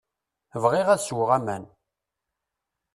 Bɣiɣ ad sweɣ aman.